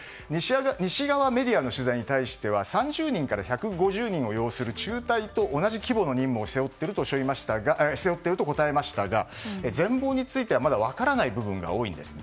西側メディアの取材に対しては３０人から１５０人を擁する中隊と同じ規模の任務を背負っていると答えましたが全貌については分からない部分が多いんです。